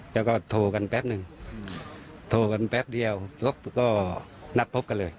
แล้วก็โทรศัพท์กันแป๊บนึงโทรศัพท์กันแป๊บเดียวก็นัดพบกันเลย